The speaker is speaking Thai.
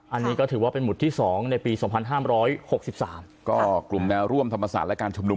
อันนี้ก็ถือว่าเป็นหมุดที่สองในปีสองพันห้ามร้อยหกสิบสามก็กลุ่มแนวร่วมธรรมศาสตร์และการชมนุม